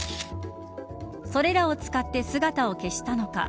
それらを使って姿を消したのか。